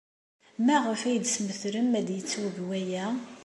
Maɣef ay d-tesmetrem ad yettweg waya?